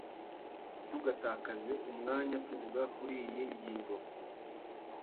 Ntitugatakaze umwanya tuvuga kuriyi ngingo.